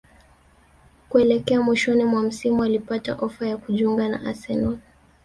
kuelekea mwishoni mwa msimu alipata ofa ya kujiunga na Arsenal